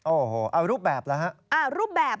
โอ้โหเอารูปแบบหรือฮะ